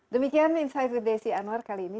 demikian insight with desi anwar kali ini